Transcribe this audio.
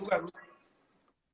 enggak enggak sibuk